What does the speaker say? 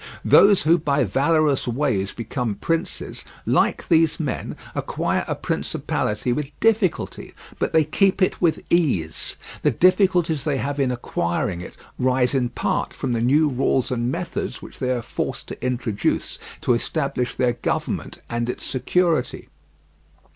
Those who by valorous ways become princes, like these men, acquire a principality with difficulty, but they keep it with ease. The difficulties they have in acquiring it rise in part from the new rules and methods which they are forced to introduce to establish their government and its security.